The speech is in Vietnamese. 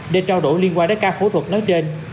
để trao đổi liên quan đến ca phẫu thuật nói trên